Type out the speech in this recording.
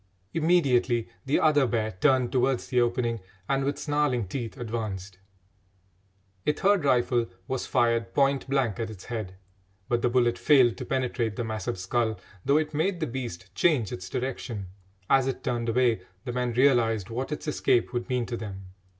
Immediately the other bear turned towards the opening and, with snarling teeth, advanced. A third rifle was fired point blank at its head, but the bullet failed to penetrate the massive skull, though it made the beast change its direction. As it turned away the men realised what its escape would mean to them.